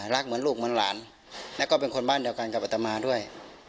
รักเหมือนลูกเหมือนหลานแล้วก็เป็นคนบ้านเดียวกันกับอัตมาด้วย